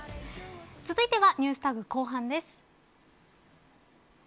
続いてはＮｅｗｓＴａｇ後半です。